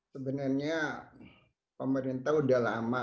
sebenarnya pemerintah sudah lama